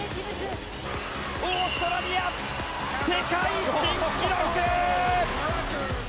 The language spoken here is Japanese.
オーストラリア、世界新記録！